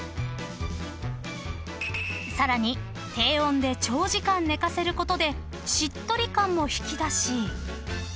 ［さらに低温で長時間寝かせることでしっとり感も引き出し